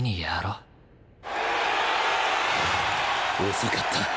遅かった！